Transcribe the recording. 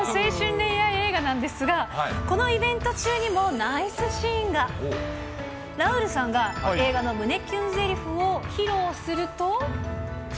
恋愛映画なんですが、このイベント中にも、ナイスシーンが。ラウールさんが映画の胸キュンぜりふを披露すると。